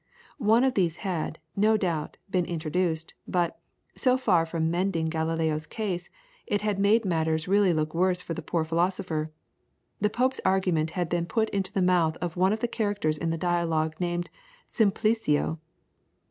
One of these had, no doubt, been introduced, but, so far from mending Galileo's case, it had made matters really look worse for the poor philosopher. The Pope's argument had been put into the mouth of one of the characters in the Dialogue named "Simplicio."